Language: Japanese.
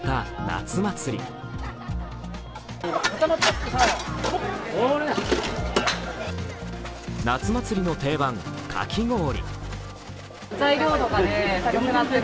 夏祭りの定番、かき氷。